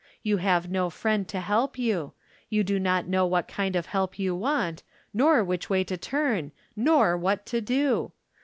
You have no friend to help you ; you do not know what kind of help you want, nor which way to turn, nor what to do.